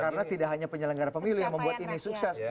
karena tidak hanya penyelenggara pemilih yang membuat ini sukses